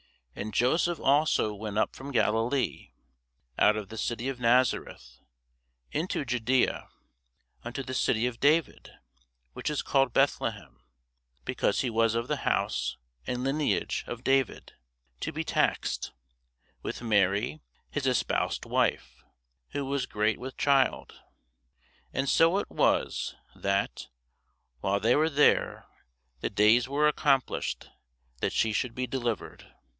And Joseph also went up from Galilee, out of the city of Nazareth, into Judæa, unto the city of David, which is called Bethlehem; (because he was of the house and lineage of David:) to be taxed, with Mary his espoused wife, who was great with child. And so it was, that, while they were there, the days were accomplished that she should be delivered.